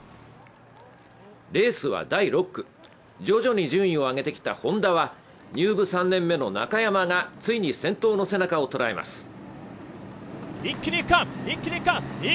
レースは第６区、徐々に順位を上げてきたＨｏｎｄａは入部３年目の中山がついに先頭の背中を捉えます。